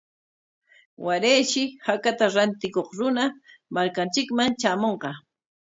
Warayshi hakata rantikuq runa markanchikman shamunqa.